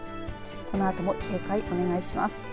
このあとも警戒をお願いします。